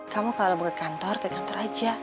kamu kalau mau ke kantor ke kantor aja